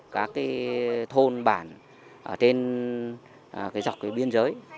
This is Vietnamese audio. các thôn bản ở trên dọc biên giới